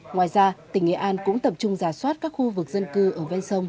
ngoài ra tỉnh nghệ an cũng tập trung giả soát các khu vực dân cư ở ven sông